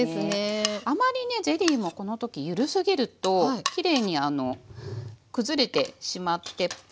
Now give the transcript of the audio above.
あまりねゼリーもこの時緩すぎるときれいにくずれてしまってフルーツポンチの中で。